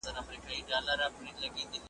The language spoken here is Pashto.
نر دي بولمه زاهده که دي ټینګ کړ ورته ځان .